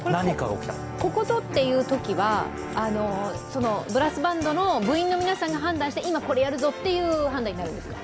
ここぞというときは、ブラスバンドの部員の皆さんが判断して今、これやるぞという判断になるんですか？